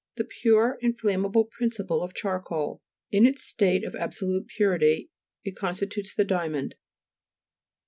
The pure inflammable principle of charcoal ; in its state of absolute purity, it constitutes the diamond.